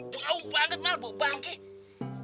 bau banget mal bau banget